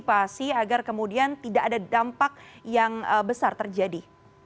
agar kemudian tidak ada dampak yang besar terjadi